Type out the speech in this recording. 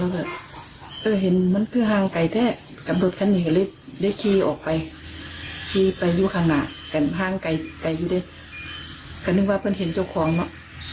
ก็นึกว่าเพื่อนเห็นเจ้าของเนอะ